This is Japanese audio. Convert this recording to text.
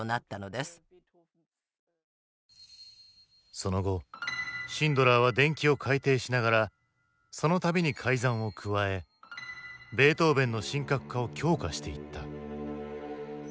その後シンドラーは伝記を改訂しながらその度に改ざんを加えベートーヴェンの神格化を強化していった。